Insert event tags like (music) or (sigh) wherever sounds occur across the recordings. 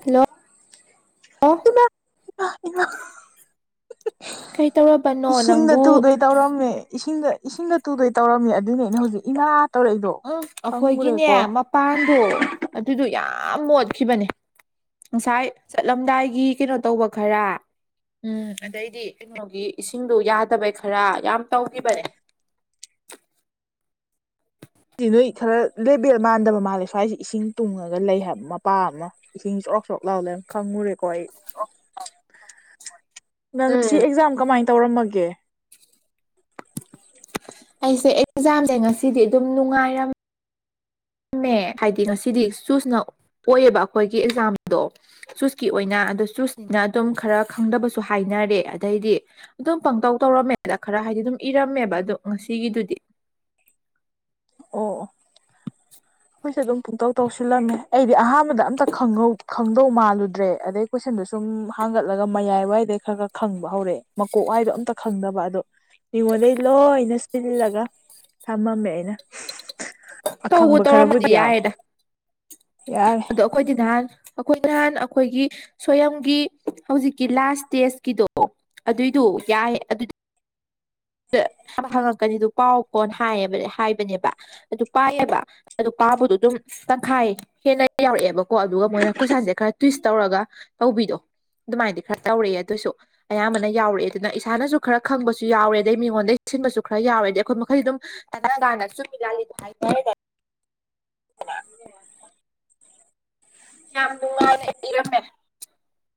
ꯍꯜꯂꯣꯜꯂꯣ ꯏꯃꯥ ꯏꯃꯥ ꯏꯃꯥ ꯀꯩ ꯇꯧꯔꯕ ꯏꯁꯤꯡꯗ ꯇꯨꯗꯣꯏ ꯇꯧꯔꯝꯃꯦ ꯏꯁꯤꯡꯗ ꯏꯁꯤꯡꯗ ꯇꯨꯗꯣꯏ ꯇꯧꯔꯝꯃꯦ ꯑꯗꯨꯏꯅꯤ ꯑꯩꯅ ꯍꯧꯖꯤꯛ ꯏꯃꯥ ꯇꯧꯔꯛꯏꯗꯣ ꯈꯪꯉꯨꯔꯦꯀꯣ ꯄꯥꯟꯗꯣ ꯑꯗꯨꯗꯣ ꯌꯥꯝ ꯃꯣꯠꯈꯤꯕꯅꯦ ꯉꯁꯥꯏ ꯆꯠꯂꯝꯗꯥꯏꯒꯤ ꯀꯩꯅꯣ ꯇꯧꯕ ꯈꯔ ꯎꯝ ꯑꯗꯩꯗꯤ ꯀꯩꯅꯣꯒꯤ ꯏꯁꯤꯡꯗꯣ ꯌꯥꯗꯕꯩ ꯈꯔ ꯌꯥꯝ ꯇꯧꯈꯤꯕꯅꯦ ꯇꯤ ꯅꯣꯏ ꯈꯔ ꯂꯦꯕꯦꯜ ꯃꯥꯟꯗꯕ ꯃꯥꯜꯂꯦ ꯁ꯭ꯋꯥꯏꯁꯦ ꯏꯁꯤꯡ ꯇꯨꯡꯉꯒ ꯂꯩ ꯍꯥꯏꯕ ꯃꯄꯥ ꯑꯃ ꯏꯁꯤꯡ ꯆ‌ꯔ‌ꯣꯛ ꯆꯔꯣꯛ ꯂꯥꯎ ꯂꯩꯔꯝ ꯈꯪꯉꯨꯔꯦꯀꯣ ꯑꯩ ꯅꯪ ꯁꯤ ꯎꯝ ꯑꯦꯛꯖꯥꯝ ꯀꯃꯥꯏꯅ ꯇꯧꯔꯝꯃꯒꯦ ꯑꯩꯁꯦ ꯑꯦꯛꯖꯥꯝꯁꯦ ꯉꯁꯤꯗꯤ ꯑꯗꯨꯝ ꯅꯨꯡꯉꯥꯏꯔꯝ ꯃꯦꯑ ꯍꯥꯏꯗꯤ ꯉꯁꯤꯗꯤ ꯆꯨꯁꯅ ꯑꯣꯏꯑꯦꯕ ꯑꯩꯈꯣꯏꯒꯤ ꯑꯦꯛꯖꯥꯝꯗꯣ ꯆꯨꯁꯀꯤ ꯑꯣꯏꯅ ꯑꯗꯣ ꯆꯨꯁꯅꯤꯅ ꯑꯗꯨꯝ ꯈꯔ ꯈꯪꯗꯕꯁꯨ ꯍꯥꯏꯅꯔꯦ ꯑꯗꯩꯗꯤ ꯑꯗꯨꯝ ꯄꯪꯇꯧ ꯇꯧꯔꯝꯃꯦꯗ ꯈꯔ ꯍꯥꯏꯗꯤ ꯑꯗꯨꯝ ꯏꯔꯝꯃꯦꯕ ꯑꯗꯣ ꯉꯁꯤꯒꯤꯗꯨꯗꯤ ꯑꯣ (unintelligible) ꯑꯩꯈꯣꯏꯁꯨꯦ ꯑꯗꯨꯝ ꯄꯨꯡꯇꯧ ꯇꯧꯁꯤꯜꯂꯝꯃꯦ ꯑꯩꯗꯤ ꯑꯍꯥꯟꯕꯗ ꯑꯝꯇ ꯈꯪꯍꯧ ꯈꯪ ꯀꯗꯧ ꯃꯥꯜꯂꯨꯗ꯭ꯔꯦ ꯑꯗꯩ ꯀꯣꯏꯁꯟꯗꯣ ꯁꯨꯝ ꯍꯥꯡꯒꯠꯂꯒ ꯃꯌꯥꯏ ꯋꯥꯏꯗꯩ ꯈꯔ ꯈꯔ ꯈꯪꯕ ꯍꯧꯔꯛꯑꯦ ꯃꯀꯣꯛ ꯋꯥꯏꯗꯣ ꯑꯝꯇ ꯈꯪꯗꯕ ꯑꯗꯣ ꯃꯤꯉꯣꯟꯗꯒꯤ ꯂꯣꯏꯅ ꯁꯤꯜꯂꯒ ꯊꯝꯃꯝꯃꯦ ꯑꯩꯅ ꯇꯧꯕꯨ ꯑꯈꯪꯕ ꯇꯧꯔꯝꯃꯗꯤ ꯈꯔꯕꯨꯗꯤ ꯌꯥꯎꯋꯦ ꯌꯥꯏꯔꯦꯗ ꯌꯥꯔꯦ ꯑꯗꯣ ꯑꯩꯈꯣꯏꯗꯤ ꯅꯍꯥꯟ ꯑꯩꯈꯣꯏ ꯅꯍꯥꯟ ꯑꯩꯈꯣꯏꯒꯤ ꯁ꯭ꯌꯝꯒꯤ ꯍꯧꯖꯤꯛꯀꯤ ꯂꯥꯁ ꯏꯁꯇꯦꯖꯀꯤꯗꯣ ꯑꯗꯨꯏꯗꯣ ꯌꯥꯏ ꯑꯗꯨꯗꯤ ꯍꯪꯉꯛꯀꯅꯤꯗꯨ ꯄꯥꯎ ꯀꯣꯟ ꯍꯥꯏꯌꯦꯕ ꯍꯥꯏꯕꯅꯦꯕ ꯑꯗꯨ ꯄꯥꯏꯌꯦꯕ ꯑꯗꯨ ꯄꯥꯕꯗꯣ ꯗꯨꯝ ꯇꯪꯈꯥꯏ ꯍꯦꯟꯅ ꯌꯥꯎꯔꯛꯑꯦꯕꯀꯣ ꯑꯗꯨꯒ ꯃꯣꯏꯅ ꯀꯣꯏꯁꯟꯁꯦ ꯈꯔ ꯇꯨꯋꯤꯁ ꯇꯧꯔꯒ ꯇꯧꯕꯤꯗꯣ ꯑꯗꯨꯃꯥꯏꯅꯗꯤ ꯈꯔ ꯇꯧꯔꯛꯑꯦ ꯑꯗꯨꯏꯁꯨ ꯑꯌꯥꯝꯕꯅ ꯌꯥꯎꯔꯛꯑꯦ ꯑꯗꯨꯅ ꯏꯁꯥꯅꯁꯨ ꯈꯔ ꯈꯪꯕꯁꯨ ꯌꯥꯎꯔꯦ ꯑꯗꯩ ꯃꯤꯉꯣꯟꯗꯩ ꯁꯤꯟꯕꯁꯨ ꯈꯔ ꯌꯥꯎꯔꯦ ꯑꯗꯩ ꯑꯩꯈꯣꯏ ꯃꯈꯩ ꯑꯗꯨꯝ ꯇꯅꯥ ꯇꯅꯥꯅ ꯆꯨꯝꯃꯤ ꯂꯥꯜꯂꯤ ꯌꯥꯝ ꯅꯨꯡꯉꯥꯢꯅ ꯏꯔꯝꯃꯦ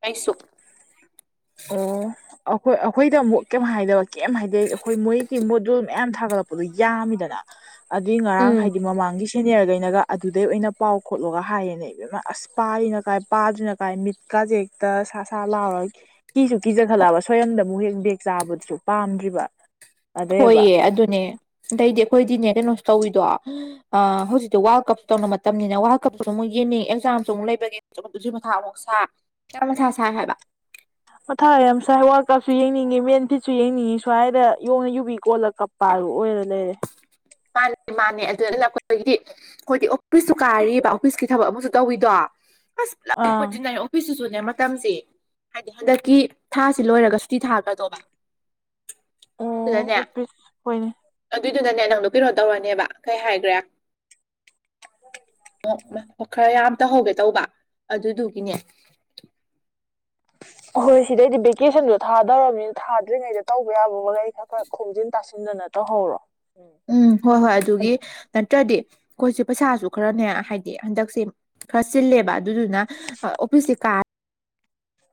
ꯑꯩꯁꯨ ꯑꯣ ꯑꯩꯈꯣꯏ ꯑꯩꯈꯣꯏꯗ ꯀꯪꯕꯨ ꯀꯩꯝ ꯍꯥꯏꯗꯕ ꯀꯩꯝ ꯍꯥꯏꯗꯦ ꯑꯩꯈꯣꯏ ꯃꯣꯏꯒꯤ ꯃꯣꯗꯨꯜ ꯃꯌꯥꯝ ꯊꯥꯒꯠꯂꯛꯄ ꯌꯥꯝꯃꯤꯗꯅ ꯑꯗꯨꯏ ꯉꯔꯥꯡ ꯎꯝ ꯍꯥꯏꯗꯤ ꯃꯃꯥꯡꯒꯤ ꯁꯤꯅꯤꯌꯔꯈꯩꯅꯒ ꯑꯗꯨꯗꯩ ꯑꯣꯏꯅ ꯄꯥꯎ ꯈꯣꯠꯂꯣꯒ ꯍꯥꯏꯌꯦꯅ ꯏꯕꯦꯝꯃ ꯑꯁ ꯄꯥꯔꯤꯅ ꯀꯥꯏ ꯄꯥꯗ꯭ꯔꯤꯅ ꯀꯥꯏ ꯃꯤꯠꯀꯥꯁꯦ ꯇ ꯁꯥ ꯁꯥ ꯂꯥꯎꯔꯒ ꯀꯤꯁꯨ ꯀꯤꯖꯈꯠꯂꯛꯑꯕ ꯁꯣꯏꯌꯝꯗ ꯑꯃꯨꯛ ꯍꯦꯛ ꯕꯦꯛ ꯆꯥꯕꯗꯨꯁꯨ ꯄꯥꯝꯗ꯭ꯔꯤꯕ ꯑꯗꯩꯕ ꯍꯣꯏꯌꯦ ꯑꯗꯨꯅꯦ ꯑꯗꯩꯗꯤ ꯑꯩꯈꯣꯏꯗꯤꯅꯦ ꯀꯩꯅꯣꯁꯨ ꯇꯧꯋꯤꯗꯣ ꯑ ꯍꯧꯖꯤꯛꯇꯤ ꯋꯥꯔꯜ ꯀꯞ ꯇꯧꯅ ꯃꯇꯝꯅꯤꯅ ꯋꯥꯔꯜ ꯀꯞꯇꯨꯁꯨ ꯃꯨꯛ ꯌꯦꯡꯅꯤꯡ ꯑꯦꯛꯖꯥꯝꯁꯨ ꯑꯃꯨꯛ ꯂꯩꯕꯅꯦ ꯁꯨ ꯃꯊꯥ ꯑꯃꯨꯛ ꯁꯥ ꯌꯥꯝ ꯃꯊꯥ ꯁꯥꯢ ꯍꯥꯏꯕ ꯃꯊꯥ ꯌꯥꯝ ꯁꯥꯏ ꯋꯥꯔꯜ ꯀꯞꯁꯨ ꯌꯦꯡꯅꯤꯡꯉꯤ ꯃꯦꯟ ꯐꯤꯠꯁꯨ ꯌꯦꯡꯅꯤꯡꯉꯤ ꯁꯨꯋꯥꯏꯗ ꯌꯣꯡꯅ ꯌꯨꯕꯤ ꯀꯣꯜꯂꯒ ꯀꯞꯄ ꯀꯥꯞꯄ ꯑꯣꯏꯔ ꯂꯩꯔꯦ ꯃꯥꯅꯦ ꯃꯥꯅꯦ ꯑꯗꯨꯗ ꯂꯥꯛꯄꯗꯒꯤꯗꯤ (inaudible) ꯈꯣꯏꯗꯤ ꯑꯣꯐꯤꯁꯁꯨ ꯀꯥꯔꯤꯕ ꯑꯣꯐꯤꯁꯀꯤ ꯊꯕꯛ ꯑꯃꯁꯨ ꯇꯧꯏꯗꯣ ꯑꯥ ꯑꯣꯐꯤꯁ ꯁꯤꯁꯨꯨꯅꯦ ꯃꯇꯝꯁꯤ ꯍꯥꯏꯗꯤ ꯍꯟꯗꯛꯀꯤ ꯊꯥꯁꯤ ꯂꯣꯏꯔꯒ ꯁꯨꯇꯤ ꯊꯥꯒꯗꯧꯕ (unintelligible) ꯑꯗꯨꯗꯨꯅꯅꯦ ꯑꯣꯐꯤꯁ ꯍꯣꯏꯅꯦ ꯑꯗꯨꯏꯗꯨꯅꯅꯦ ꯅꯪꯗꯣ ꯀꯩꯅꯣ ꯇꯧꯔꯅꯦꯕ ꯀꯩ ꯍꯥꯏꯈ꯭ꯔꯦ ꯑꯣ ꯈꯔ ꯌꯥꯝ ꯇꯧꯍꯧꯒꯦ ꯇꯧꯕ ꯑꯗꯨꯗꯨꯒꯤꯅꯦ ꯍꯣꯏ ꯁꯤꯗꯩꯗꯤ ꯚꯦꯀꯦꯁꯟꯗꯣ ꯊꯥꯗꯧꯔꯕꯅꯤꯅ ꯊꯥꯗ꯭ꯔꯤꯉꯩꯗ ꯇꯧꯕ ꯌꯥꯕꯃꯈꯩ ꯈꯔ ꯈꯔ ꯈꯣꯝꯖꯤꯟ ꯇꯥꯁꯤꯟꯗꯅ ꯁꯤꯟꯗꯅ ꯇꯧꯍꯧꯔꯣ ꯎꯝ ꯎꯝ ꯍꯣꯏ ꯍꯣꯏ ꯑꯗꯨꯒꯤ ꯅꯠꯇ꯭ꯔꯗꯤ ꯑꯩꯈꯣꯏꯁꯦ ꯄꯩꯁꯥꯁꯨ ꯈꯔꯅꯦ ꯍꯥꯏꯗꯤ ꯍꯟꯗꯛꯁꯦ ꯈꯔ ꯆꯤꯜꯂꯦꯕ ꯑꯗꯨꯗꯨꯅ ꯑꯣꯐꯤꯁꯁꯦ ꯀꯥ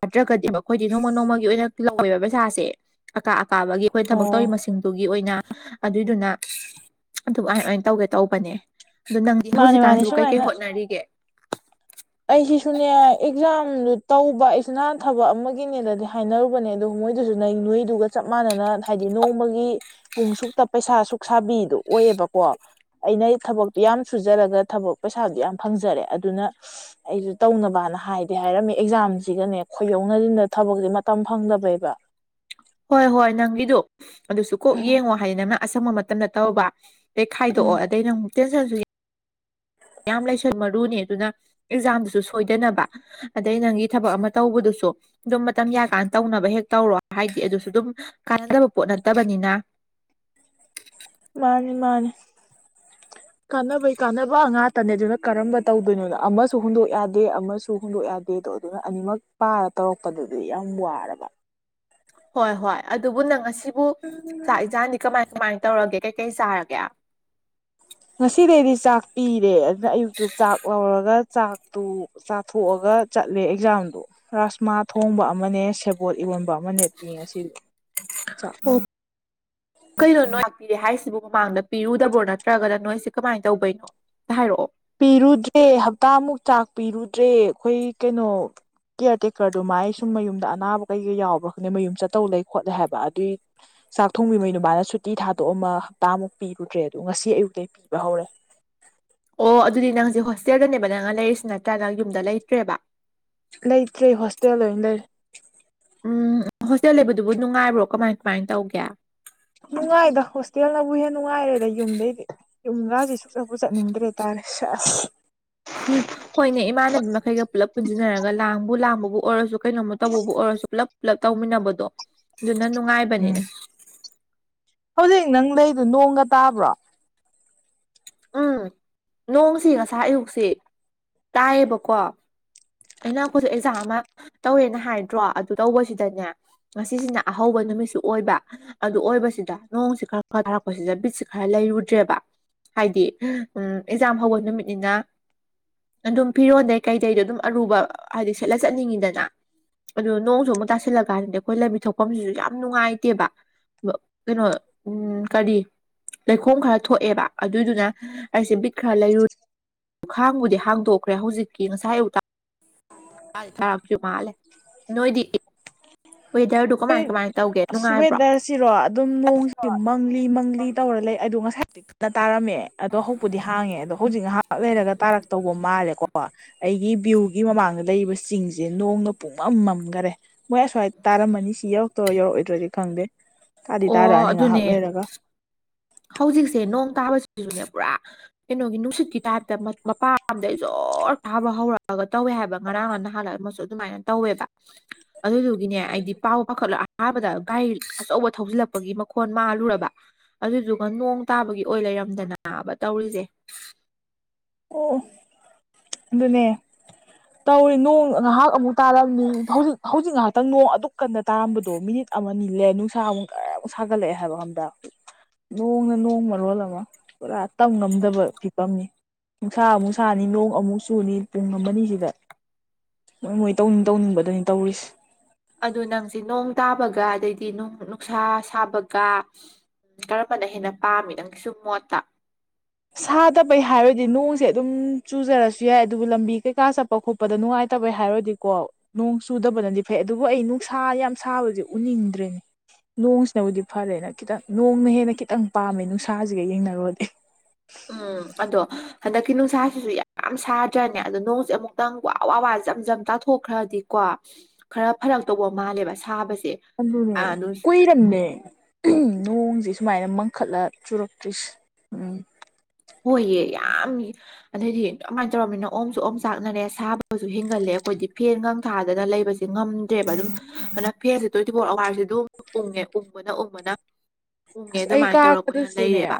ꯅꯠꯇ꯭ꯔꯒꯗꯤꯕ ꯑꯩꯈꯣꯏꯗꯤ ꯅꯣꯡꯃ ꯅꯣꯡꯃꯒꯤ ꯑꯣꯏꯅ ꯂꯧꯋꯦꯕ ꯄꯩꯁꯥꯁꯦ ꯑꯀꯥ ꯑꯀꯥꯕꯒꯤ ꯑꯩꯈꯣꯏꯅ ꯊꯕꯛ ꯑꯣ ꯇꯧꯔꯤ ꯃꯁꯤꯡꯗꯨꯒꯤ ꯑꯣꯏꯅ ꯑꯗꯨꯏꯗꯨꯅ ꯑꯗꯨꯃꯥꯏꯅ ꯑꯣꯏꯅ ꯇꯧꯒꯦ ꯇꯧꯕꯅꯦ ꯑꯗꯣ ꯅꯪꯗꯤ ꯃꯥꯅꯤ ꯃꯥꯅꯤ ꯍꯧꯖꯤꯛꯀꯥꯟꯁꯤ ꯀꯩ ꯀꯩ ꯁꯨꯃꯥꯏꯅ ꯍꯣꯠꯅꯔꯤꯒꯦ ꯑꯩꯁꯤꯁꯨꯅꯦ ꯑꯦꯛꯖꯥꯝꯗꯨ ꯇꯧꯕ ꯑꯩꯁꯤꯅ ꯅꯍꯥꯟ ꯊꯕꯛ ꯑꯃꯒꯤꯅꯦꯗꯗꯤ ꯍꯥꯏꯅꯔꯨꯕꯅꯦ ꯑꯗꯨ ꯃꯣꯏꯗꯨꯁꯨ ꯅꯣꯏ ꯅꯣꯏꯗꯨꯒ ꯆꯞ ꯃꯥꯟꯅꯅ ꯍꯥꯏꯗꯤ ꯅꯣꯡꯃꯒꯤ ꯄꯨꯡ ꯁꯨꯛꯇ ꯄꯩꯁꯥ ꯁꯨꯛꯁꯕꯤꯗꯣ ꯑꯣꯏꯌꯦꯕꯀꯣ ꯑꯩꯅ ꯑꯩ ꯊꯕꯛꯇꯣ ꯌꯥꯝ ꯁꯨꯖꯔꯒ ꯊꯕꯛ ꯄꯩꯁꯥꯗꯨ ꯌꯥꯝ ꯐꯪꯖꯔꯦ ꯑꯗꯨꯅ ꯑꯩꯖꯨ ꯇꯧꯅꯕꯅ ꯍꯥꯏꯗꯤ ꯍꯥꯏꯔꯝꯃꯤ ꯑꯦꯛꯖꯥꯝꯁꯤꯒꯅꯦ ꯈꯣꯏꯌꯧꯅꯁꯤꯗ ꯊꯕꯛꯁꯦ ꯃꯇꯝ ꯐꯪꯗꯕꯩꯕ ꯍꯣꯏ ꯍꯣꯏ ꯅꯪꯒꯤꯗꯣ ꯑꯗꯨꯁꯨ ꯀꯣꯛ ꯌꯦꯡꯉꯣ ꯍꯥꯏꯗꯤ ꯅꯪꯅ ꯑꯁꯪꯕ ꯃꯇꯝꯗ ꯇꯧꯕ ꯑꯩ ꯎꯝ ꯈꯥꯏꯗꯣꯛꯑꯣ ꯑꯗꯩ ꯅ ꯑꯃꯨꯛ ꯇꯦꯟꯁꯟꯁꯨ ꯌꯥꯝ ꯂꯩꯁꯟ ꯃꯔꯨꯅꯦ ꯑꯗꯨꯅ ꯑꯦꯛꯖꯥꯝꯁꯨ ꯁꯣꯏꯗꯅꯕ ꯑꯗꯩ ꯅꯪꯒꯤ ꯊꯕꯛ ꯑꯃ ꯇꯧꯕꯗꯨꯁꯨ ꯑꯗꯨꯝ ꯃꯇꯝ ꯌꯥꯀꯥꯟꯗ ꯇꯧꯅꯕ ꯍꯦꯛ ꯇꯧꯔꯣ ꯍꯥꯏꯗꯤ ꯑꯗꯨꯁꯨ ꯑꯗꯨꯝ ꯀꯥꯟꯅꯗꯕ ꯄꯣꯠ ꯅꯠꯇꯕꯅꯤꯅ ꯃꯥꯅꯦ ꯃꯥꯅꯦ ꯀꯥꯟꯅꯕꯩ ꯀꯥꯟꯅꯕ ꯉꯥꯛꯇꯅꯦ ꯑꯗꯨꯅ ꯀꯔꯝꯕ ꯇꯧꯗꯣꯏꯅꯣꯅ ꯑꯃꯁꯨ ꯍꯨꯟꯗꯣꯛ ꯌꯥꯗꯦ ꯑꯃꯁꯨ ꯍꯨꯟꯗꯣꯛ ꯌꯥꯗꯦꯗꯣ ꯑꯗꯨꯅ ꯑꯅꯤꯃꯛ ꯄꯥꯔ ꯇꯧꯔꯛꯄꯗꯨꯗꯤ ꯌꯥꯝ ꯋꯥꯔꯕ ꯍꯣꯏ ꯍꯣꯏ ꯑꯗꯨꯕꯨ ꯅꯪ ꯉꯁꯤꯕꯨ ꯆꯥꯛ ꯏꯟꯖꯥꯟꯗꯤ ꯀꯃꯥꯏ ꯀꯃꯥꯏ ꯇꯧꯔꯒꯦ ꯀꯩ ꯀꯩ ꯆꯥꯔꯒꯦ ꯉꯁꯤꯗꯩꯗꯤ ꯆꯥꯛ ꯄꯤꯔꯦ ꯑꯗꯨꯅ ꯑꯌꯨꯛꯇꯨ ꯆꯥꯛ ꯂꯧꯔꯒ ꯆꯥꯛꯇꯨ ꯆꯥꯊꯣꯛꯑꯒ ꯆꯠꯂꯦ ꯑꯦꯛꯖꯥꯝꯗꯣ ꯔꯥꯁꯃꯥ ꯊꯣꯡꯕ ꯑꯃꯅꯦ ꯁꯦꯕꯣꯠ ꯏꯔꯣꯟꯕ ꯑꯃꯅꯦ ꯄꯤ ꯉꯁꯤꯗꯤ ꯆꯥꯛ ꯑꯣ ꯀꯩꯅꯣ ꯅꯣ ꯂꯥꯛꯄꯤꯔꯦ ꯍꯥꯏꯁꯤꯕꯨ ꯃꯃꯥꯡꯗ ꯄꯤꯔꯨꯗꯕ꯭ꯔꯣ ꯅꯠꯇ꯭ꯔꯒꯅ ꯅꯣꯏꯁꯦꯀꯃꯥꯏꯅ ꯇꯧꯕꯅꯣ ꯍꯥꯢꯔꯛꯑꯣ ꯄꯤꯔꯨꯗ꯭ꯔꯦ ꯍꯞꯇꯥꯃꯨꯛ ꯆꯥꯛ ꯄꯤꯔꯨꯗ꯭ꯔꯦ ꯑꯩꯈꯣꯏ ꯀꯩꯅꯣ ꯀꯤꯌꯔ ꯇꯦꯀꯔ ꯗꯨꯃꯥꯏ ꯁꯨꯝ ꯃꯌꯨꯝꯗ ꯑꯅꯥꯕ ꯀꯩꯀꯩ ꯌꯥꯎꯕ꯭ꯔꯥ ꯈꯪꯗꯦ ꯃꯌꯨꯝ ꯆꯠꯇꯧ ꯂꯩ ꯈꯣꯠꯂꯦ ꯍꯥꯏꯕ ꯑꯗꯨꯏ ꯆꯥꯛ ꯊꯣꯡꯕꯤꯕꯩ ꯗꯨꯃꯥꯅ ꯁꯨꯇꯤ ꯊꯥꯗꯣꯛꯑꯃ ꯍꯞꯇꯥꯃꯨꯛ ꯄꯤꯔꯨꯗ꯭ꯔꯦ ꯑꯗꯣ ꯉꯁꯤ ꯑꯌꯨꯛꯇꯩ ꯄꯤꯕ ꯍꯧꯔꯦ ꯑꯣ ꯑꯗꯨꯗꯤ ꯅꯪꯁꯦ ꯍꯣꯁꯇꯦꯜꯗꯅꯦꯕ ꯅꯪꯅ ꯂꯩꯔꯤꯁꯤ ꯅꯠꯇ꯭ꯔꯥ ꯅꯪ ꯌꯨꯝꯗ ꯂꯩꯇ꯭ꯔꯦꯕ ꯂꯩꯇ꯭ꯔꯦ ꯍꯣꯁꯇꯦꯜꯗ ꯑꯣꯏꯅ ꯂꯩ ꯎꯝ ꯍꯣꯁꯇꯦꯜ ꯂꯩꯕꯗꯨꯕꯨ ꯅꯨꯡꯉꯥꯏꯕ꯭ꯔꯣ ꯀꯃꯥꯏ ꯀꯃꯥꯏꯅ ꯇꯧꯒꯦ ꯅꯨꯡꯉꯥꯏꯗ ꯍꯣꯁꯇꯦꯜꯅꯕꯨ ꯍꯦꯟ ꯅꯨꯡꯉꯥꯏꯔꯦꯗ ꯌꯨꯝꯗꯩꯗꯤ ꯌꯨꯝ ꯒꯥꯁꯦ ꯁꯨꯡꯆꯠꯄꯨꯨ ꯆꯠꯅꯤꯡꯗ꯭ꯔꯦ ꯇꯥꯔꯦ ꯁꯦꯁ ꯍꯣꯏꯅꯦ ꯏꯃꯥꯟꯅꯕꯤ ꯃꯈꯩꯒ ꯄꯨꯜꯂꯞ ꯄꯨꯟꯁꯤꯟꯅꯔꯒ ꯂꯥꯡꯕꯨ ꯂꯥꯡꯕꯕꯨ ꯑꯣꯏꯔꯁꯨ ꯀꯩꯅꯣꯃ ꯇꯧꯕꯕꯨ ꯑꯣꯏꯔꯁꯨ ꯄꯨꯂꯞ ꯄꯨꯂꯞ ꯇꯧꯃꯤꯟꯅꯕꯗꯣ ꯑꯗꯨꯅ ꯎꯝ ꯅꯨꯡꯉꯥꯏꯕꯅꯤꯅꯦ ꯍꯧꯖꯤꯛ ꯅꯪ ꯂꯩꯗꯨ ꯅꯣꯡꯒ ꯇꯥꯕ꯭ꯔꯣ ꯎꯝ ꯅꯣꯡꯁꯤ ꯉꯁꯥꯏ ꯑꯌꯨꯛꯁꯤ ꯇꯥꯏꯌꯦꯕꯀꯣ ꯑꯩꯅ ꯑꯩꯈꯣꯏꯁꯨ ꯑꯦꯛꯖꯥꯝ ꯑꯃ ꯇꯧꯋꯦꯅ ꯍꯥꯏꯗ꯭ꯔꯣ ꯑꯗꯨ ꯇꯧꯕꯁꯤꯗꯅꯦ ꯉꯁꯤꯁꯤꯅ ꯑꯍꯧꯕ ꯅꯨꯃꯤꯠꯁꯨ ꯑꯣꯏꯕ ꯑꯗꯨ ꯑꯣꯏꯕꯁꯤꯗ ꯅꯣꯡꯁꯤ ꯈꯔ ꯈꯔ ꯇꯥꯔꯛꯄꯁꯤꯗ ꯕꯤꯠꯁꯤ ꯈꯔ ꯂꯩꯔꯨꯗ꯭ꯔꯦꯕ ꯍꯥꯏꯗꯤ ꯎꯝ ꯑꯦꯛꯖꯥꯝ ꯍꯧꯕ ꯅꯨꯃꯤꯠꯅꯤꯅ ꯑꯗꯨꯝ ꯐꯤꯔꯣꯟꯗꯩ ꯀꯩꯗꯩꯗꯣ ꯑꯗꯨꯝ ꯑꯔꯨꯕ ꯍꯥꯏꯗꯤ ꯁꯦꯠꯂ ꯆꯠꯅꯤꯡ ꯉꯤꯗꯅ ꯑꯗꯨ ꯅꯣꯡꯁꯨ ꯑꯃꯨꯛ ꯇꯥꯁꯤꯜꯂ ꯀꯥꯟꯗꯗꯤ ꯑꯩꯈꯣꯏ ꯂꯝꯕꯤ ꯊꯣꯛꯐꯝꯁꯤꯁꯨ ꯌꯥꯝ ꯅꯨꯡꯉꯥꯏꯇꯦꯕ ꯀꯩꯅꯣ ꯎꯝ ꯀꯔꯤ ꯂꯩꯈꯣꯝ ꯈꯔ ꯊꯣꯛꯑꯦꯕ ꯑꯗꯨꯏꯗꯨꯅ ꯑꯩꯁꯦ ꯕꯤꯠ ꯈꯔꯥ ꯂꯩꯔꯨ ꯈꯥꯡꯕꯨꯗꯤ ꯍꯥꯡꯗꯣꯛꯈ꯭ꯔꯦ ꯍꯧꯖꯤꯛꯀꯤ ꯉꯁꯥꯏ ꯑꯌꯨꯛꯇ ꯃꯥꯏꯗꯤ ꯊꯥꯛꯁꯨ ꯃꯥꯜꯂꯦ ꯅꯣꯏꯗꯤ ꯋꯦꯗꯔꯗꯣ ꯈꯣꯏ ꯑꯁ ꯋꯦꯗꯔꯁꯤꯔꯣ ꯑꯗꯨꯝ ꯅꯣꯡꯁꯤ ꯃꯪ ꯃꯪꯂꯤ ꯃꯪꯂꯤ ꯇꯧꯔ ꯂꯩ ꯑꯗꯣ ꯉꯁꯥꯏ ꯗꯩ ꯀꯟꯅ ꯇꯥꯔꯝꯃꯦ ꯑꯗꯣ ꯍꯧꯄꯨꯗꯤ ꯍꯥꯡꯉꯦ ꯑꯗꯣ ꯍꯧꯖꯤꯛ ꯉꯥꯏꯍꯥꯛ ꯂꯩꯔꯒ ꯇꯥꯔꯛꯇꯧꯕ ꯃꯥꯜꯂꯦꯀꯣ ꯑꯩꯒꯤ ꯕ꯭ꯌꯨꯒꯤ ꯃꯃꯥꯡꯗ ꯂꯩꯔꯤꯕ ꯆꯤꯡꯁꯦ ꯅꯣꯡꯅ ꯄꯨꯡꯃꯝ ꯃꯝꯒꯔꯦ ꯃꯣꯏ ꯑꯁ꯭ꯋꯥꯏꯗ ꯇꯥꯔꯝꯃꯅꯤ ꯁꯤ ꯌꯧꯔꯛ ꯇ‌ꯣꯏꯔ ꯌꯧꯔꯛ ꯑꯣꯏꯗ꯭ꯔꯗꯤ ꯈꯪꯗꯦ ꯇꯥꯗꯤ ꯇꯥꯔꯛ ꯑꯣ ꯑꯅꯤ ꯉꯥꯏꯍꯥꯛ ꯑꯗꯨꯅꯦ ꯂꯩꯔꯒ ꯍꯧꯖꯤꯛꯁꯦ ꯅꯣꯡ ꯇꯥꯕꯁꯤꯁꯨꯅꯦ ꯄꯨꯔꯥ ꯀꯩꯅꯣꯒꯤ ꯅꯨꯡꯁꯤꯠꯀꯤ ꯇꯥꯏꯞꯇ ꯃ ꯃꯄꯥ ꯑꯝꯗꯩ ꯖ‌ꯣꯔ ꯇꯥꯕ ꯍꯧꯔꯛ ꯑꯒ ꯇꯧꯋꯦ ꯍꯥꯏꯕ ꯉꯔꯥꯡꯂ ꯉꯍꯥꯟꯂ ꯑꯃꯁꯨ ꯑꯗꯨꯃꯥꯏꯅ ꯇꯧꯋꯦꯕ ꯑꯗꯨꯗꯨꯒꯤꯅꯦ ꯑꯩꯗꯤ ꯄꯥꯎ ꯄꯥꯈꯠꯂ ꯑꯍꯥꯟꯕꯗ ꯒꯥꯔꯤ ꯑꯆꯧꯕ ꯊꯧꯖꯤꯜꯂꯛꯄꯒꯤ ꯃꯈꯣꯟ ꯃꯥꯜꯂꯨꯔꯕ ꯑꯗꯨꯗꯨꯒ ꯅꯣꯡ ꯇꯥꯕꯒꯤ ꯑꯣꯏ ꯂꯩꯔꯝꯗꯅꯥꯕ ꯇꯧꯔꯤꯖ‌ꯦ ꯑꯣ ꯑꯗꯨꯅꯦ ꯇꯧꯔꯤ ꯅꯣꯡ ꯉꯍꯥꯛ ꯑꯃꯨꯛ ꯇꯥꯔꯝꯃꯅꯤ ꯍꯧꯖꯤꯛ ꯍꯧꯖꯤꯛ ꯉꯥꯏꯍꯥꯛꯇꯪ ꯅꯣꯡ ꯑꯗꯨꯛ ꯀꯟꯅ ꯇꯥꯔꯝꯕꯗꯣ ꯃꯤꯅꯤꯠ ꯑꯃ ꯅꯤ ꯂꯩꯔ ꯅꯨꯡꯁꯥ ꯑꯃꯨꯛ ꯒꯔ ꯃꯨꯛ ꯁꯥꯒꯠꯂꯛꯑꯦ ꯍꯥꯏꯕ ꯈꯪꯕ꯭ꯔ ꯅꯣꯡꯅ ꯅꯣꯡ ꯃꯔꯣꯜ ꯑꯃ ꯄꯨꯔꯥ ꯇꯝꯉꯝꯗꯕ ꯐꯤꯕꯝꯅꯤ ꯅꯨꯡꯁꯥ ꯑꯃꯨꯛ ꯁꯥꯅꯤ ꯅꯣꯡ ꯑꯃꯨꯛ ꯆꯨꯅꯤ ꯄꯨꯡ ꯑꯃꯅꯤꯁꯤꯗ ꯃꯣꯏ ꯃꯣꯏ ꯇꯧꯅꯤꯡ ꯇꯧꯅꯤꯡꯕ ꯗꯨꯅꯤ ꯇꯧꯔꯤꯁꯦ ꯑꯗꯨ ꯅꯪꯁꯦ ꯅꯣꯡ ꯇꯥꯕꯒ ꯑꯗꯩꯗꯤ ꯅꯨꯡ ꯅꯨꯡꯁꯥ ꯁꯥꯕꯒ ꯀꯔꯝꯕꯅ ꯍꯦꯟꯅ ꯄꯥꯝꯃꯤ ꯅꯪꯒꯤꯁꯨꯝ ꯃꯣꯠꯇ ꯁꯥꯗꯕꯩ ꯍꯥꯏꯔꯗꯤ ꯅꯣꯡꯁꯦ ꯑꯗꯨꯝ ꯆꯨꯖꯔꯁꯨ ꯌꯥꯏ ꯑꯗꯨꯕꯨ ꯂꯝꯕꯤ ꯀꯩꯀꯥ ꯆꯠ ꯄꯥꯎꯈꯣꯠꯄꯗ ꯅꯨꯡꯉꯥꯏꯇꯕꯩ ꯍꯥꯏꯔꯨꯔꯗꯤꯀꯣ ꯅꯣꯡ ꯆꯨꯗꯕꯅꯗꯤ ꯐꯩ ꯑꯗꯨꯕꯨ ꯑꯩ ꯅꯨꯡꯁꯥ ꯌꯥꯝ ꯁꯥꯕꯁꯦ ꯎꯅꯤꯡꯗ꯭ꯔꯦꯅꯦ ꯅꯣꯡꯁꯤꯅꯕꯨꯗꯤ ꯐꯔꯦꯅ ꯈꯤꯇꯪ ꯅꯣꯡꯅ ꯍꯦꯟꯅ ꯈꯤꯇꯪ ꯄꯥꯝꯃꯦ ꯅꯨꯡꯁꯥꯁꯤꯒ ꯌꯦꯡꯅꯔꯨꯔꯗꯤ ꯎꯝ ꯑꯗꯣ ꯍꯟꯗꯛꯀꯤ ꯅꯨꯡꯁꯥꯁꯤꯁꯨ ꯌꯥꯝ ꯁꯥꯗ꯭ꯔꯅꯦ ꯑꯗꯣ ꯅꯣꯡꯁꯦ ꯑꯃꯨꯛꯇꯪ ꯋꯥ ꯋꯥ ꯋꯥ ꯖꯝꯖꯝ ꯇꯥꯊꯣꯛ ꯊꯣꯛꯈ꯭ꯔꯗꯤꯀꯣ ꯈꯔ ꯐꯔꯛꯇꯧꯕ ꯃꯥꯜꯂꯦꯕ ꯁꯥꯕꯁꯦ ꯑꯗꯨꯅꯦ ꯑꯥ ꯅꯨꯡ ꯀꯨꯏ (unintelligible) ꯅꯣꯡꯁꯦ ꯁꯨꯃꯥꯏꯅ ꯃꯪꯈꯠꯂ ꯆꯨꯔꯛꯇ꯭ꯔꯤꯁꯤ ꯎꯝ ꯍꯣꯏꯌꯦ ꯌꯥꯝ ꯑꯗꯩꯗꯤ ꯑꯃꯥꯏꯅ ꯇꯧꯔꯝꯅꯤꯅ ꯑꯣꯝꯁꯨ ꯑꯣꯝ ꯆꯥꯛꯅꯔꯦ ꯁꯥꯕꯁꯨ ꯍꯦꯟꯒꯠꯂꯦ ꯑꯩꯈꯣꯏꯗꯤ ꯐꯦꯟꯒꯪ ꯊꯥꯗꯅ ꯂꯩꯕꯁꯦ ꯉꯝꯗ꯭ꯔꯦꯕ ꯑꯗꯨꯝ ꯑꯗꯨꯅ ꯐꯦꯟꯁꯦ ꯇ꯭ꯋꯦꯟꯇꯤ ꯐꯣꯔ ꯑꯋꯥꯔꯁꯦ ꯑꯗꯨꯝ ꯎꯪꯉꯦ ꯎꯪꯕꯅ ꯎꯪꯕꯅ (unintelligible) ꯑꯩ ꯑꯗꯨꯃꯥꯏ ꯇꯧꯔꯞ ꯑꯣꯏꯅ ꯀꯥꯒꯗꯨꯁꯨꯅꯦ ꯂꯩꯔꯦꯕ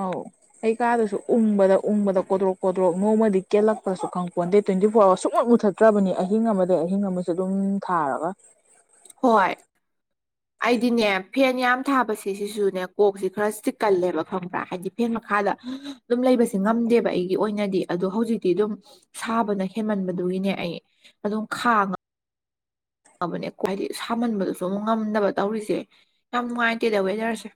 ꯑꯧ ꯑꯩ ꯀꯥꯗꯨꯁꯨ ꯎꯡꯕꯗ ꯎꯡꯕꯗ ꯀꯣꯗ꯭ꯔꯣꯛ ꯀꯣꯗ꯭ꯔꯣꯛ ꯅꯣꯡꯃꯗꯤ ꯀꯦꯜꯂꯛꯄ꯭ꯔꯥꯁꯨ ꯈꯪꯄꯣꯠꯇꯦ ꯇ꯭ꯋꯦꯟꯇꯤ-ꯐꯣꯔ ꯑꯋꯥꯔ ꯁꯨꯡꯃꯨꯠ ꯃꯨꯊꯠ ꯇ꯭ꯔꯕꯅꯤ ꯑꯍꯤꯡ ꯑꯃꯗꯩ ꯑꯍꯤꯡ ꯑꯃꯁꯨ ꯑꯗꯨꯝ ꯊꯥꯔꯒ ꯍꯣꯏ (inaudible) ꯑꯩꯗꯤꯅꯦ ꯐꯦꯟ ꯌꯥꯝ ꯊꯥꯕꯁꯦ ꯁꯤꯁꯨꯅꯦ ꯀꯣꯛꯁꯤ ꯈꯔ ꯆꯤꯛꯀꯜꯂꯦꯕ ꯈꯪꯕ꯭ꯔꯥ ꯍꯥꯏꯗꯤ ꯐꯦꯟ ꯃꯈꯥꯗ ꯑꯗꯨꯝ ꯂꯩꯕꯁꯦ ꯉꯝꯗꯦꯕ ꯑꯩꯒꯤ ꯑꯣꯏꯅꯗꯤ ꯑꯗꯣ ꯍꯧꯖꯤꯛꯇꯤ ꯑꯗꯨꯝ ꯁꯥꯕꯅ ꯍꯦꯟꯃꯟꯕꯗꯨꯒꯤꯅꯦ ꯑꯩ ꯑꯗꯨꯝ ꯈꯥꯡ (unintelligible) ꯁꯥꯃꯟꯕꯗꯨꯁꯨ ꯑꯃꯨꯛ ꯉꯝꯗꯕ ꯇꯧꯔꯤꯁꯦ ꯌꯥꯝ ꯅꯨꯡꯉꯥꯏꯇꯦꯗ ꯋꯦꯗꯔꯁꯦ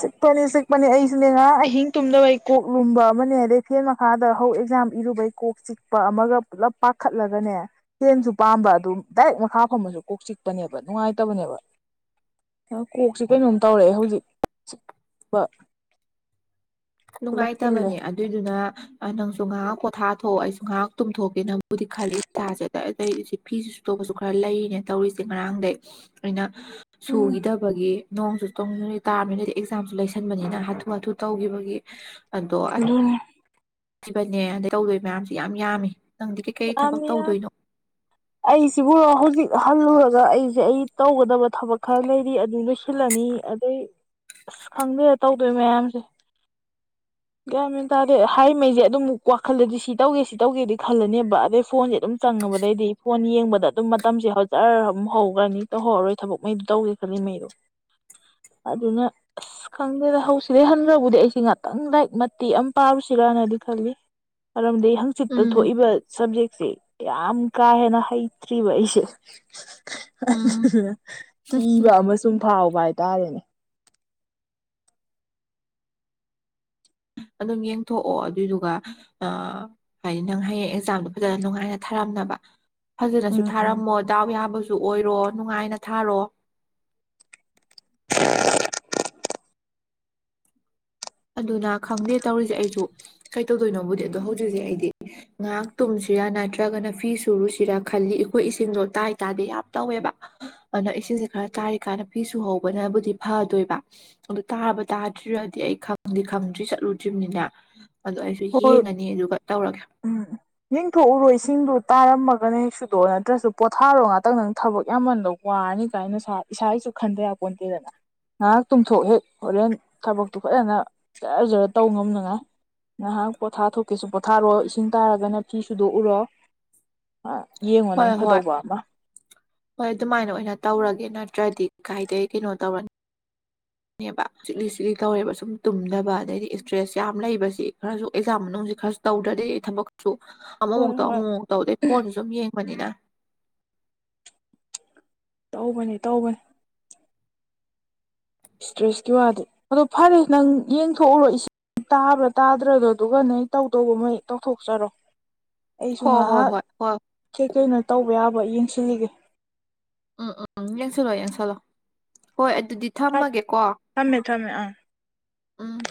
ꯆꯤꯛꯄꯅꯤ ꯆꯤꯛꯄꯅꯤ ꯑꯩꯁꯨꯅꯦ ꯉꯔꯥꯡ ꯑꯍꯤꯡ ꯇꯨꯝꯗꯕꯩ ꯀꯣꯛ ꯂꯨꯝꯕ ꯑꯃꯅ‌ꯦ ꯑꯗꯩ ꯐꯦꯟ ꯃꯈꯥꯗ ꯍꯧꯖꯤ ꯑꯦꯛꯖꯥꯝ ꯏꯔꯨꯕꯩ ꯀꯣꯛ ꯆꯤꯛꯄ ꯑꯃꯒ ꯄꯨꯜꯂꯞ ꯄꯥꯈꯠꯂꯒꯅꯦ ꯐꯦꯟꯁꯨ ꯄꯥꯝꯕ ꯑꯗꯨꯝ ꯗꯥꯏꯔꯦꯛ ꯃꯈꯥ ꯐꯝꯃꯁꯨ ꯀꯣꯛ ꯆꯤꯛꯄꯅꯦꯕ ꯅꯨꯡꯉꯥꯏꯇꯕꯅꯦꯕ ꯀꯣꯛꯁꯤ ꯀꯩꯅꯣꯝ ꯇꯧꯔꯛꯑꯦ ꯍꯧꯖꯤꯛ ꯆꯤꯛꯄ ꯄꯨꯜꯂꯦ ꯅꯨꯡꯉꯥꯏꯇꯕꯅꯦ ꯑꯗꯨꯏꯗꯨꯅ ꯅꯪꯁꯨ ꯉꯍꯥꯛ ꯄꯣꯠꯊꯥꯊꯣꯛꯑꯣ ꯑꯩꯁꯨ ꯉꯥꯏꯍꯥꯛ ꯇꯨꯝꯊꯣꯛꯀꯦ ꯅꯪꯕꯨꯗꯤ ꯈꯜꯂꯤ (unintelligible) ꯐꯤꯁꯨ ꯁꯨꯗꯧꯕꯁꯨ ꯈꯔ ꯂꯩꯔꯤꯅꯦ ꯇꯧꯔꯤꯁꯦ ꯉꯔꯥꯡꯗꯩ ꯑꯩꯅ ꯎꯝ ꯁꯨꯒꯤꯗꯕꯒꯤ ꯅꯣꯡꯁꯨ (unintelligible) ꯇꯥꯔꯕꯅꯤꯅꯗꯤ ꯑꯦꯛꯖꯥꯝꯁꯨ ꯂꯩꯁꯟꯕꯅꯤꯅ ꯍꯥꯊꯨ ꯍꯥꯊꯨ ꯇꯧꯈꯤꯕꯒꯤ ꯑꯗꯣ ꯎꯝ ꯕꯅꯦ ꯑꯗꯩ ꯇꯧꯗꯣꯏ ꯃꯌꯥꯝꯁꯦ ꯌꯥꯝ ꯌꯥꯝꯃꯤ ꯅꯪꯗꯤ ꯀꯩꯀꯩ ꯊꯕꯛ ꯌꯥꯝꯃꯤ ꯌꯥꯝ ꯇꯧꯗꯣꯏꯅꯣ ꯑꯩꯁꯤꯕꯨ ꯍꯧꯖꯤꯛ ꯍꯜꯂꯨꯔꯒ ꯑꯩꯁꯦ ꯑꯩ ꯇꯧꯒꯗꯕ ꯊꯕꯛ ꯈꯔ ꯂꯩꯔꯤ ꯑꯗꯨ ꯂꯣꯏꯁꯤꯜꯂꯅꯤ ꯑꯗꯩ ꯑꯁ ꯈꯪꯗꯦꯗ ꯇꯧꯗꯣꯏ ꯃꯌꯥꯝꯁꯦ ꯒ꯭ꯌꯥꯟ ꯃꯦꯟ ꯇꯥꯗꯦ ꯍꯥꯏꯔꯤꯃꯩꯁꯦ ꯑꯗꯨꯝ ꯋꯥꯈꯜꯗꯗꯤ ꯁꯤ ꯇꯧꯒꯦ ꯁꯤ ꯇꯧꯒꯦꯗꯤ ꯈꯜꯂꯅꯦꯕ ꯑꯗꯩ ꯐꯣꯟꯁꯦ ꯑꯗꯨꯝ ꯆꯪꯉꯕꯗꯩꯗꯤ ꯐꯣꯟ ꯌꯦꯡꯕꯗ ꯑꯗꯨꯝ ꯃꯇꯝꯁꯦ ꯍꯧ ꯖꯔ ꯃꯨꯛ ꯍꯧꯒ꯭ꯔꯅꯤ ꯇꯧꯍꯧꯔꯔꯣꯏ ꯊꯕꯛꯃꯩꯗꯨ ꯇꯧꯒꯦ ꯈꯜꯂꯤꯃꯩꯗꯣ ꯑꯗꯨꯅ ꯑꯁ ꯈꯪꯗꯦꯗ ꯍꯧꯁꯤꯗꯩ ꯍꯟꯒ꯭ꯔꯕꯨꯗꯤ ꯑꯩꯁꯦ ꯉꯥꯇꯪ ꯂꯥꯏꯔꯤꯛ ꯃꯇꯦꯛ ꯑꯃ ꯄꯥꯔꯨꯁꯤꯔꯅꯗꯤ ꯈꯜꯂꯤ ꯃꯔꯝꯗꯤ ꯍꯪ ꯆꯤꯠꯇ ꯎꯝ ꯊꯣꯛꯏꯕ ꯁꯕꯖꯦꯛꯁꯦ ꯌꯥꯝ ꯀꯥ ꯍꯦꯟꯅ ꯍꯩꯇ꯭ꯔꯤꯕ ꯑꯩꯁꯨ ꯎꯝ (unintelligible) ꯀꯤꯕ ꯑꯃꯁꯨꯝ ꯐꯥꯎꯕ ꯍꯥꯏꯇꯥꯔꯦꯅꯦ ꯑꯗꯨꯝ ꯌꯦꯡꯊꯣꯛꯑꯣ ꯑꯗꯨꯏꯗꯨꯒ ꯑ ꯍꯥꯏꯗꯤ ꯅꯪ ꯍꯌꯦꯡ ꯑꯦꯛꯖꯥꯝꯗꯣ ꯐꯖꯅ ꯅꯨꯡꯉꯥꯏꯅ ꯊꯥꯔꯝꯅꯕ ꯐꯖꯅꯁꯨ ꯎꯝ ꯎꯝ ꯊꯥꯔꯝꯃꯣ ꯗꯥꯎ ꯌꯥꯕꯁꯨ ꯑꯣꯏꯔꯣ ꯅꯨꯡꯉꯥꯏꯅ ꯊꯥꯔꯣ ꯑꯗꯨꯅ ꯈꯪꯗꯦ ꯇꯧꯔꯤꯁꯦ ꯑꯩꯖꯨ ꯀꯩꯇꯧꯗꯣꯏꯅꯣꯕꯨꯗꯤ ꯑꯗꯣ ꯍꯧꯖꯤꯛꯁꯦ ꯑꯩꯗꯤ ꯉꯥꯏꯍꯥꯛ ꯇꯨꯝꯁꯤꯔꯥ ꯅꯠꯇ꯭ꯔꯒꯅ ꯐꯤ ꯁꯨꯔꯨꯁꯤꯔꯥ ꯈꯜꯂꯤ ꯑꯩꯈꯣꯏ ꯏꯁꯤꯡꯗꯣ ꯇꯥꯏ ꯇꯥꯥꯗ‌ꯦ ꯌꯥꯝ ꯇꯧꯋꯦꯕ ꯑꯗꯨꯅ ꯏꯁꯤꯡꯁꯦ ꯈꯔ ꯇꯥꯔꯤꯀꯥꯟꯗ ꯐꯤꯁꯨ ꯍꯧꯕꯅꯕꯨꯗꯤ ꯐꯗꯣꯏꯕ ꯑꯗꯨ ꯇꯥꯕ ꯇꯥꯗ꯭ꯔꯤꯔꯗꯤ ꯑꯩ ꯈꯪ ꯈꯪꯗꯤ ꯈꯪꯗ꯭ꯔꯤ ꯆꯠꯂꯨꯗ꯭ꯔꯤꯝꯅꯤꯅ ꯑꯗꯣ ꯑꯩꯁꯨ ꯍꯣꯏ ꯌꯦꯡꯉꯅꯤ ꯑꯗꯨꯒ ꯇꯧꯔꯒꯦ ꯎꯝ ꯌꯦꯡꯊꯣꯛꯎꯔꯣ ꯏꯁꯤꯡꯗꯨ ꯇꯥꯔꯝꯃꯒꯅ ꯍꯦꯛ ꯁꯨꯗꯣꯛꯑꯣ ꯅꯠꯇ꯭ꯔꯁꯨ ꯄꯣꯠꯊꯥꯔꯣ ꯉꯥꯛꯇꯪ ꯅꯪ ꯊꯕꯛ ꯌꯥꯝꯃꯟꯗꯧ ꯋꯥꯅꯤ ꯀꯥꯏ ꯅꯁꯥ ꯏꯁꯥꯒꯤꯁꯨ ꯈꯟꯗ ꯌꯥꯄꯣꯟꯇꯦꯗꯅ ꯉꯥꯏꯍꯥꯛ ꯇꯨꯝꯊꯣꯛ ꯍꯦꯛ ꯍꯣꯔꯦꯟ ꯊꯕꯛꯇꯨ ꯐꯖꯅ ꯖꯔꯖꯔ ꯇꯧ ꯉꯝꯅꯉꯥꯏ ꯅꯍꯥꯛ ꯄꯣꯊꯥ ꯊꯣꯛꯀꯦꯁꯨ ꯄꯣꯊꯥꯔꯣ ꯏꯁꯤꯡ ꯇꯥꯔꯒꯅ ꯐꯤ ꯁꯨꯗꯣꯛꯎꯔꯣ ꯑꯥ ꯌꯦꯡꯉꯣ ꯅꯪ ꯍꯣꯏ ꯍꯣꯏ ꯐꯗꯧꯕ ꯑꯃ ꯍꯣꯏ ꯑꯗꯨꯃꯥꯏꯅ ꯑꯣꯏꯅ ꯇꯧꯔꯒꯦ ꯅꯠꯇ꯭ꯔꯗꯤ ꯀꯥꯏꯗꯩ ꯀꯩꯅꯣ ꯇꯧꯔꯅꯤ ꯅꯦꯕ ꯆꯤꯛꯂꯤ ꯆꯤꯛꯂꯤ ꯇꯧꯔꯦꯕ ꯁꯨꯝ ꯇꯨꯝꯗꯕ ꯑꯗꯩꯗꯤ ꯏꯁꯇ꯭ꯔꯦꯁ ꯌꯥꯝ ꯂꯩꯕꯁꯤ ꯈꯔꯁꯨ ꯑꯦꯛꯖꯥꯝ ꯃꯅꯨꯡꯁꯤ ꯈꯔ ꯇꯧꯗ꯭ꯔꯗꯤ ꯊꯕꯛꯁꯨ ꯑꯃꯃꯨꯛ ꯍꯣꯏ ꯇꯧ ꯍꯣꯏ ꯑꯃꯃꯨꯛ ꯇꯧ ꯗꯩ ꯐꯣꯟꯁꯨ ꯁꯨꯝ ꯌꯦꯡꯕꯅꯤꯅ ꯇꯧꯕꯅꯤ ꯇꯧꯕꯅꯤ ꯏꯁꯇ꯭ꯔꯦꯁꯀꯤ ꯋꯥꯗꯤ ꯑꯗꯣ ꯐꯔꯦ ꯅꯪ ꯌꯦꯡꯊꯣꯛꯎꯔꯣ ꯏꯁꯤ ꯇꯥꯕ꯭ꯔꯥ ꯇꯥꯗ꯭ꯔꯒ ꯗꯨꯒ ꯅꯩ ꯇꯧꯗꯧꯕ ꯃꯩ ꯇꯧꯊꯣꯛꯆꯔꯣ ꯑꯩꯁꯨ ꯍꯣꯏ ꯍꯣꯏ ꯉꯥꯍꯥꯛ ꯍꯣꯏ ꯍꯣꯏ ꯀꯩꯀꯩꯅꯣ ꯇꯧꯕ ꯌꯥꯕ ꯌꯦꯡꯁꯤꯜꯂꯤꯒꯦ ꯎꯝ ꯎꯝ ꯎꯝ ꯌꯦꯡꯁꯜꯂꯣ ꯌꯦꯡꯁꯜꯂꯣ ꯍꯣꯏ ꯑꯗꯨꯗꯤ ꯊꯝꯃꯒꯦꯀꯣ ꯊꯝꯃꯦ ꯊꯝꯃꯦ ꯑꯥ ꯎꯝ